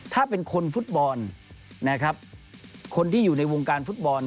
ถ้าเป็นคนฟุตบอลนะครับคนที่อยู่ในวงการฟุตบอล